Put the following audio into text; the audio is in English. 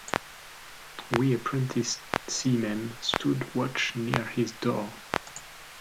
We apprentice seamen stood watch near his door.